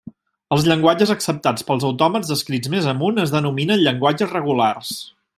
Els llenguatges acceptats pels autòmats descrits més amunt es denominen llenguatges regulars.